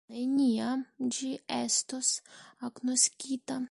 Neniam ĝi estos agnoskita.